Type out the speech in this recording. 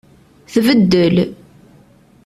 Tbeddel.